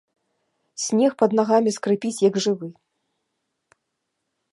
Снег пад нагамі скрыпіць, як жывы.